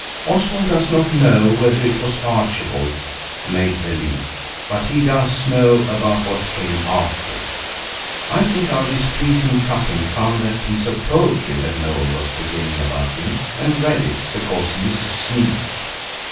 Oswald does not know whether it was Archibald made the leak, but he does know about what came after. I think our displeasing cousin found that piece of poetry that Noël was beginning about him, and read it, because he is a sneak.